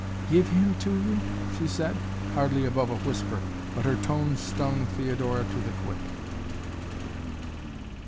"Give him to you?" she said, hardly above a whisper, but her tone stung Theodora to the quick.